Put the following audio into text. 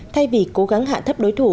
thay vì cố gắng hạ thấp đối thủ